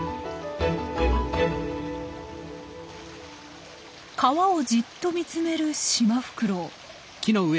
川をじっと見つめるシマフクロウ。